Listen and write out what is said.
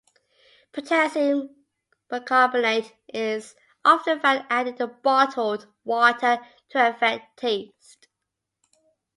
Potassium bicarbonate is often found added to bottled water to affect taste.